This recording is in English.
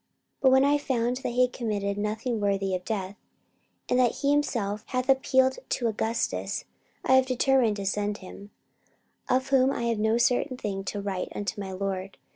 44:025:025 But when I found that he had committed nothing worthy of death, and that he himself hath appealed to Augustus, I have determined to send him. 44:025:026 Of whom I have no certain thing to write unto my lord.